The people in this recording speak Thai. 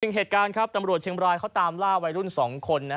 เหตุการณ์ครับตำรวจเชียงบรายเขาตามล่าวัยรุ่น๒คน